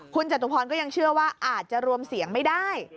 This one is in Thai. คุณจตุพรก็ยังเชื่อว่าอาจจะรวมเสียงไม่ได้